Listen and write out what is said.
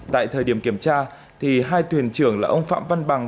tại thời điểm kiểm tra hai thuyền trưởng là ông phạm văn bằng và ông phạm văn bằng